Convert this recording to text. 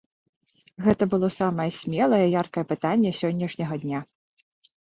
Гэта было самае смелае і яркае пытанне сённяшняга дня.